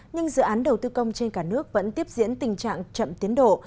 nhưng dự án đầu tư công trên cả nước vẫn tiếp diễn tình trạng chậm tiến độ